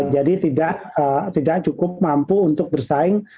jadi tidak cukup mampu untuk bersaing